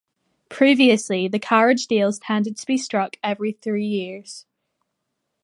Previously the carriage deals tended to be struck every three years.